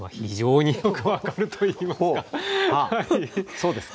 そうですか？